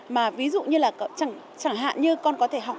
mà ví dụ như là chẳng hạn như con có thể học